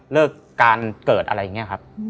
เลิกการเกิดอะไรอย่างนี้ครับ